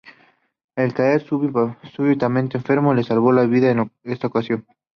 El caer súbitamente enfermo, le salvó la vida en esta ocasión.